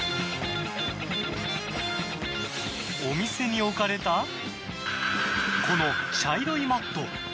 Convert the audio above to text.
お店に置かれたこの茶色いマット。